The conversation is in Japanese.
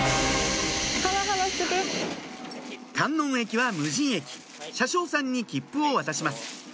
観音駅は無人駅車掌さんに切符を渡します